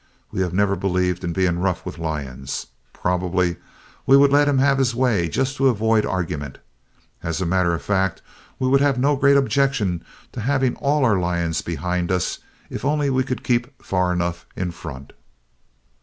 We have never believed in being rough with lions. Probably we would let him have his way just to avoid argument. As a matter of fact we would have no great objection to having all our lions behind us if only we could keep far enough in front.